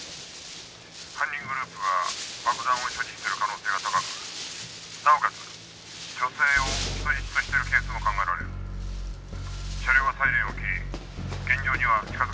「犯人グループは爆弾を所持してる可能性が高くなおかつ女性を人質としてるケースも考えられる」「車両はサイレンを切り現場には近づかないように」